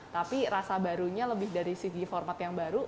tapi rasa barunya lebih dari segi format yang baru